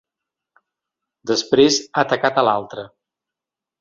Després ha atacat a l’altra.